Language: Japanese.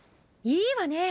いいわね